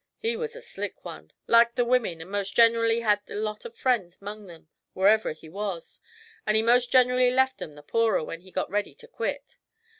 He was a slick one. Liked the women, and most generally had a lot of friends 'mong 'em wherever he was; but he most generally left 'em the poorer when he got ready to quit.